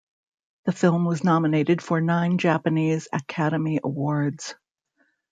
The film was nominated for nine Japanese Academy Awards.